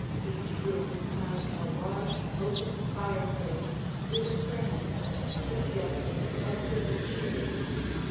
Each room has a large, open fireplace with a crane, suggestive of good cheer.